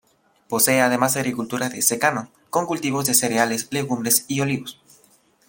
Posee además agricultura de secano, con cultivos de cereales, legumbres y olivos.